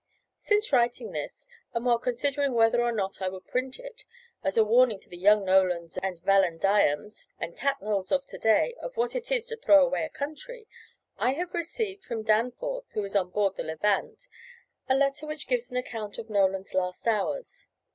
Since writing this, and while considering whether or not I would print it, as a warning to the young Nolans and Vallandighams and Tatnalls of to day of what it is to throw away a country, I have received from Danforth, who is on board the Levant, a letter which gives an account of Nolan's last hours.